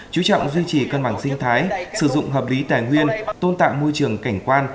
chú trọng duy trì cân bằng sinh thái sử dụng hợp lý tài nguyên tôn tạo môi trường cảnh quan